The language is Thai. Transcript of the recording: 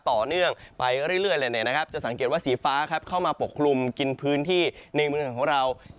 ต่อเนื่องไปเรื่อยเลยนะครับจะสังเกตว่าสีฟ้าเข้ามาปกคลุมกินพื้นที่ในเมืองของเรา